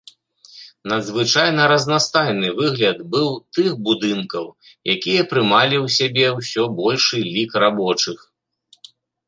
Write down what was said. Надзвычайна разнастайны выгляд быў тых будынкаў, якія прымалі ў сябе ўсё большы лік рабочых.